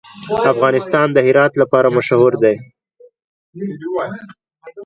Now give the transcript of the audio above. افغانستان د هرات لپاره مشهور دی.